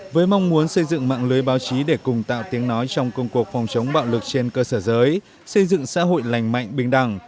với mong muốn xây dựng mạng lưới báo chí để cùng tạo tiếng nói trong công cuộc phòng chống bạo lực trên cơ sở giới xây dựng xã hội lành mạnh bình đẳng